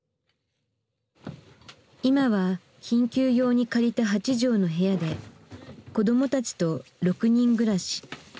今は緊急用に借りた８畳の部屋で子どもたちと６人暮らし。